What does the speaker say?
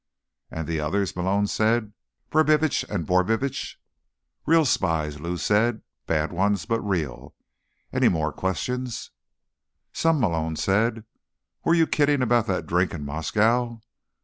"And the others?" Malone said. "Brubitsch and Borbitsch?" "Real spies," Lou said. "Bad ones, but real. Any more questions?" "Some," Malone said. "Were you kidding about that drink in Moscow?"